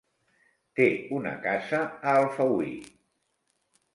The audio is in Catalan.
Té una casa a Alfauir.